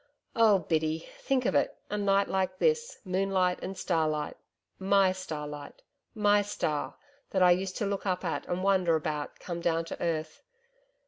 Oh, Biddy, think of it a night like this moonlight and starlight MY starlight MY star, that I used to look up at and wonder about, come down to earth.